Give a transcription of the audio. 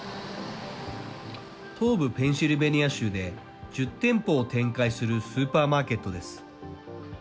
東部ペンシルベニア州で１０店舗を展開するスーパーマーケットです。